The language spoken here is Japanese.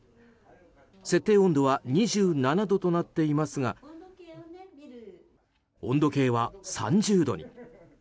設定温度は２７度となっていますが温度計は３０度に。